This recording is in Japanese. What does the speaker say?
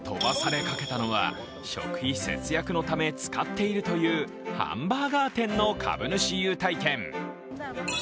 危うく飛ばされたかけたのは、食費節約のため使っているというハンバーガー店の株主優待券。